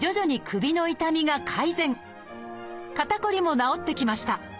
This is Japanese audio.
肩こりも治ってきました